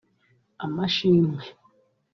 Amashimwe